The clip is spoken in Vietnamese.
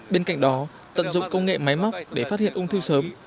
bên cạnh đó tận dụng công nghệ máy móc để phát hiện ung thư sớm